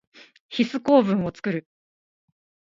ヒス構文をつくる。